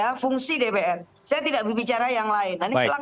saya tidak bicara yang lain